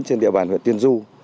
trên địa bàn huyện tiên du